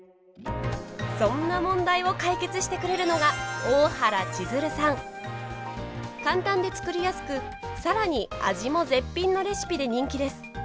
そんな問題を解決してくれるのが簡単で作りやすく更に味も絶品のレシピで人気です。